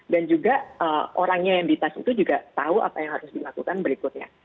dan juga orangnya yang di test itu juga tahu apa yang harus dilakukan berikutnya